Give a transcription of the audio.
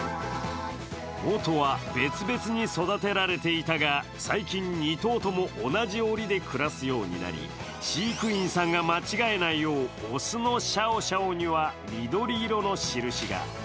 もとは別々に育てられていたが、最近２頭とも同じおりで暮らすようになり、飼育員さんが間違えないよう雄のシャオシャオには緑色の印が。